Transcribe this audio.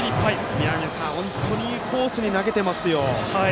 見浪さん、本当にいいコースに投げていますよ。